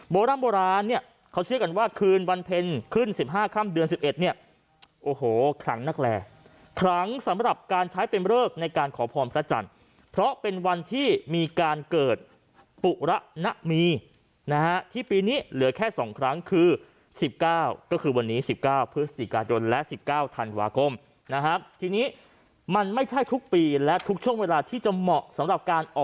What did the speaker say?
ร่ำโบราณเนี่ยเขาเชื่อกันว่าคืนวันเพ็ญขึ้น๑๕ค่ำเดือน๑๑เนี่ยโอ้โหครั้งนักแลครั้งสำหรับการใช้เป็นเริกในการขอพรพระจันทร์เพราะเป็นวันที่มีการเกิดปุระนะมีนะฮะที่ปีนี้เหลือแค่๒ครั้งคือ๑๙ก็คือวันนี้๑๙พฤศจิกายนและ๑๙ธันวาคมนะครับทีนี้มันไม่ใช่ทุกปีและทุกช่วงเวลาที่จะเหมาะสำหรับการอ